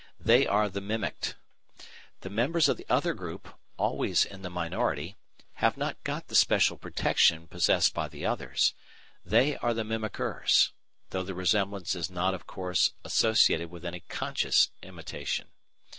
They are the "mimicked." The members of the other group, always in the minority, have not got the special protection possessed by the others. They are the "mimickers," though the resemblance is not, of course, associated with any conscious imitation.